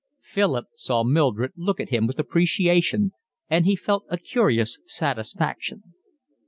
Philip saw Mildred look at him with appreciation, and he felt a curious satisfaction.